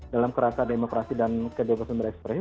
dalam kerasa demokrasi dan kedemokrasi merespresi